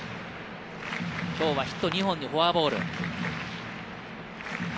今日はヒット２本とフォアボール。